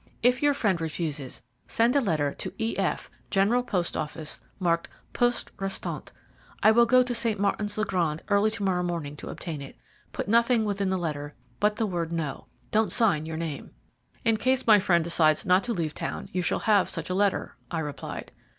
If your friend refuses, send a letter to E.F., General Post Office, marked 'Poste Restante.' I will go to St. Martin's le Grand early to morrow morning to obtain it. Put nothing within the letter but the word 'No.' Don't sign your name." "In case my friend decides not to leave town you shall have such a letter," I replied.